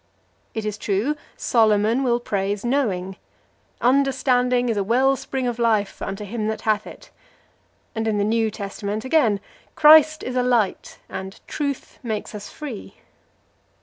It is true, Solomon will praise knowing: "Understanding is a well spring of life unto him that hath it."+ And in the New Testament, again, Christ is a "light,"+ and "truth makes us free."